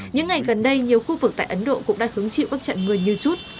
những ngày gần đây nhiều khu vực tại ấn độ cũng đã hứng chịu các trận mưa như chút